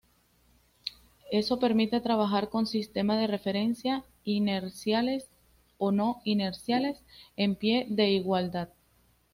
Eso permite trabajar con sistema de referencia inerciales o no-inerciales en pie de igualdad.